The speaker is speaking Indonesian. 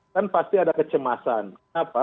kan pasti ada kecemasan kenapa